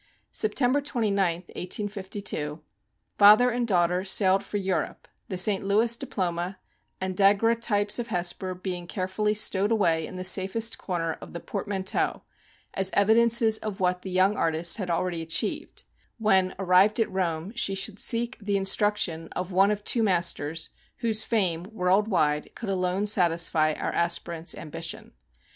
September 29th, 1852, father and daughter sailed for Europe, the St. Louis diploma and daguerreotypes of Hesper being carefully stowed away in the safest corner of the pormanteau as evidences of what the young artist had already achiev ed, when, arrived at Rome, she should seek the instruction of one of two masters* whose fame, world wide, could alone satisfy our aspirant's ambition.